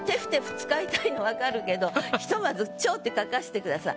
使いたいの分かるけどひとまず「蝶」って書かしてください。